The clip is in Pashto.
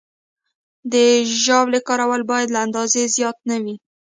د ژاولې کارول باید له اندازې زیات نه وي.